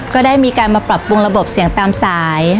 ก็ได้มีการมาปรับปรุงระบบเสียงตามสาย